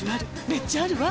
めっちゃあるわ！」